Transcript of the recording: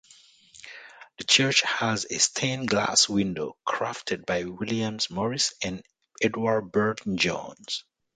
The church has a stained-glass window crafted by William Morris and Edward Burne-Jones.